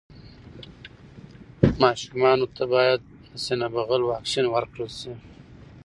ماشومانو ته باید د سینه بغل واکسين ورکړل شي.